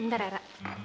bentar ya ra